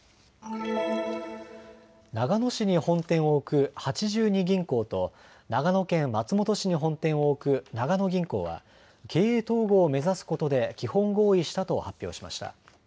長野市に本店を置く八十二銀行と長野県松本市に本店を置く長野銀行は経営統合を目指すことで基本合意したと発表しました。